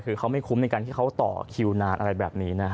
คือเขาไม่คุ้มในการที่เขาต่อคิวนานอะไรแบบนี้นะฮะ